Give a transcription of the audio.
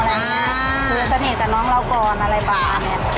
คือสนิทกับน้องเราก่อนอะไรประมาณนี้